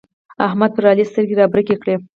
احمد پر علي سترګې رابرګې کړې.